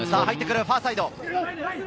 入ってくる、ファーサイド。